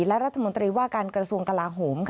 และรัฐมนตรีว่าการกระทรวงกลาโหม